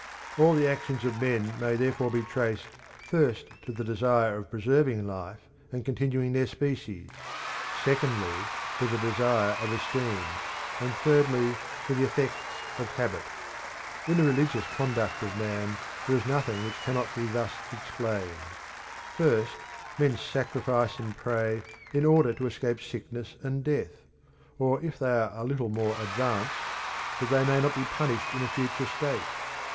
All the actions of men may therefore be traced first to the desire of preserving life and continuing their species; secondly to the desire of esteem; and thirdly to the effects of habit. In the religious conduct of man there is nothing which cannot be thus explained. First, men sacrifice and pray in order to escape sickness and death; or if they are a little more advanced, that they may not be punished in a future state.